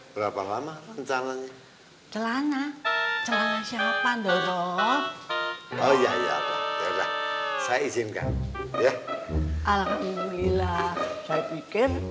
berapa lama rencananya celana celana siapa doro oh ya ya saya izinkan ya alhamdulillah saya pikir